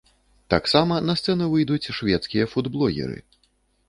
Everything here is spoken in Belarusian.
Таксама на сцэну выйдуць шведскія фудблогеры.